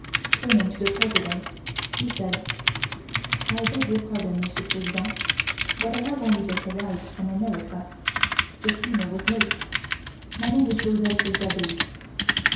Turning to the President, he said: "I beg your pardon, Monsieur President, but I have only just arrived from America. The steamer was late. My name is Joseph Rouletabille!"